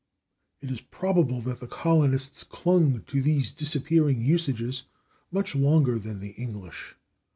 It is probable that the colonists clung to these disappearing usages much longer than the English.